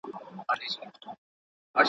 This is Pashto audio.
په مرکه کي ولي مبالغه کول ښه نه دي؟